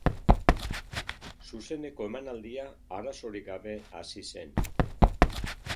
Zuzeneko emanaldia arazorik gabe hasi zen.